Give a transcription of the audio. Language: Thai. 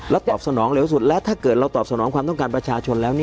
ตอบสนองเร็วสุดและถ้าเกิดเราตอบสนองความต้องการประชาชนแล้ว